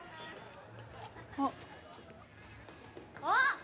あっ。